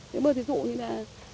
nếu mà thí dụ như là